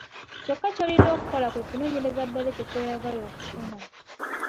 Kyokka ky'olina okukola kwe kunoonyeza ddala ekyo ky'oyagala okufuna.